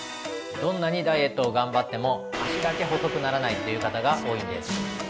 どんなにダイエットを頑張っても脚だけ細くならないという方が多いんです。